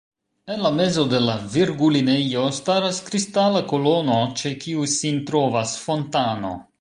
En la mezo de la virgulinejo staras kristala kolono, ĉe kiu sin trovas fontano.